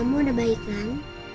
mama udah baik kan